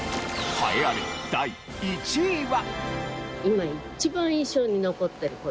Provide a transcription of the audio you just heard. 栄えある第１位は。